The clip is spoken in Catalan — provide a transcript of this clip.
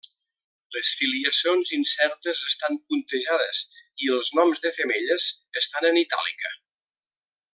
Les filiacions incertes estan puntejades i els noms de femelles estan en itàlica.